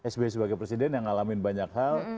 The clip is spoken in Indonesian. sby sebagai presiden yang ngalamin banyak hal